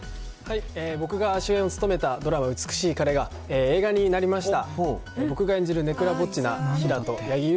僕が主演を務めたドラマ、美しい彼が映画になりました。